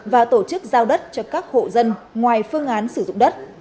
và tổ chức giao đất cho các hộ dân ngoài phương án sử dụng đất